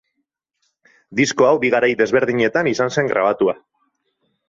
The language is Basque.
Disko hau bi garai ezberdinetan izan zen grabatua.